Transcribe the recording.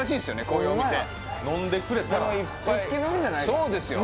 こういうお店飲んでくれたらいっぱいそうですよ